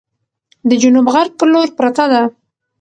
د جنوب غرب په لور پرته ده،